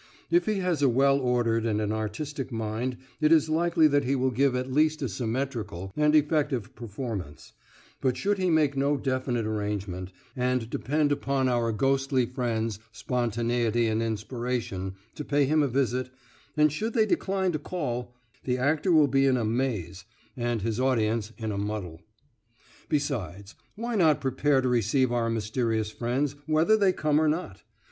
If he has a well ordered and an artistic mind it is likely that he will give at least a symmetrical and effective performance; but should he make no definite arrangement, and depend upon our ghostly friends Spontaneity and Inspiration to pay him a visit, and should they decline to call, the actor will be in a maze and his audience in a muddle. Besides, why not prepare to receive our mysterious friends whether they come or not?